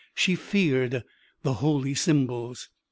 She feared the holy symbols.